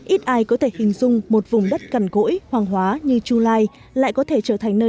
ít ai có thể hình dung một vùng đất cằn gỗi hoàng hóa như chulai lại có thể trở thành nơi